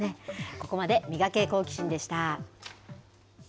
ここまでミガケ、好奇心！でした。